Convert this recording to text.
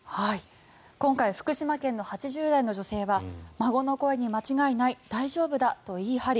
今回福島県の８０代の女性は孫の声に間違いない大丈夫だと言い張り